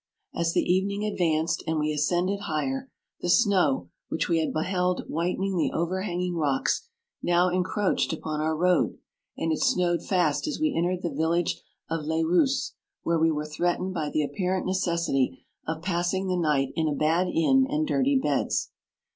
As the evening advanced, and we ascended higher, the snow, which we had beheld whitening the overhanging rocks, now encroached upon our road, and it snowed fast as we entered the village of Les Rousses, where we were threatened by the apparent necessity of passing the night in a bad inn and dirty beds.